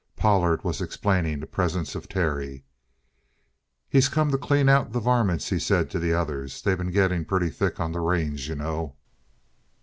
Pollard was explaining the presence of Terry. "He's come up to clean out the varmints," he said to the others. "They been getting pretty thick on the range, you know."